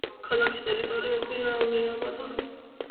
ქალაქის ტერიტორიაზეა ავიაბაზა.